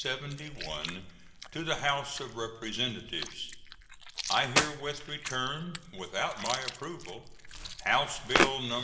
To the House of Representatives: I herewith return without my approval House bill No.